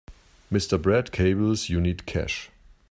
Mr. Brad cables you need cash.